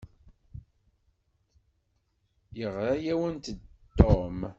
Yeɣra-awent-d Tom.